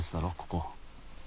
ここ。